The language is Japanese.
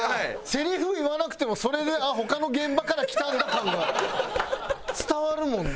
せりふ言わなくてもそれで他の現場から来たんだ感が伝わるもんな。